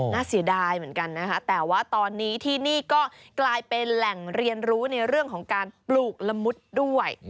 เสียดายเหมือนกันนะคะแต่ว่าตอนนี้ที่นี่ก็กลายเป็นแหล่งเรียนรู้ในเรื่องของการปลูกละมุดด้วย